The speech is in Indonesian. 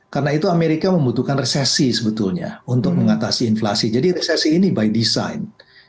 karena itu amerika membutuhkan resesi sebetulnya untuk mengatasi inflasi jadi resesi ini by design